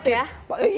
itu bisa beres ya